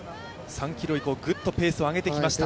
３ｋｍ以降ぐっとペースを上げてきました。